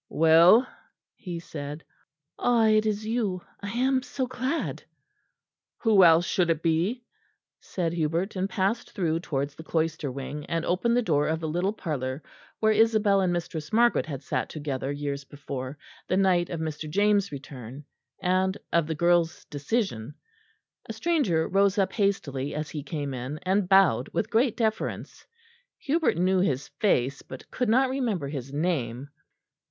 "Well!" he said. "Ah, it is you. I am so glad." "Who else should it be?" said Hubert, and passed through towards the cloister wing, and opened the door of the little parlour where Isabel and Mistress Margaret had sat together years before, the night of Mr. James' return, and of the girl's decision. A stranger rose up hastily as he came in, and bowed with great deference. Hubert knew his face, but could not remember his name.